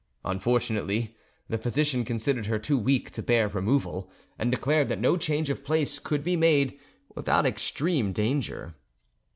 Unfortunately, the physician considered her too weak to bear removal, and declared that no change of place could be made without extreme danger.